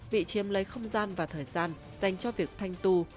bị chiếm lấy không gian và thời gian dành cho việc thanh tu